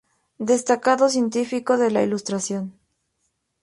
Destacado científico de la Ilustración.